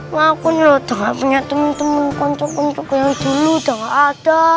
makanya loh udah gak punya temen temen konco konco yang dulu udah gak ada